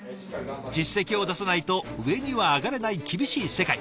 実績を出さないと上には上がれない厳しい世界。